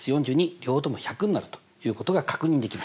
両方とも１００になるということが確認できました。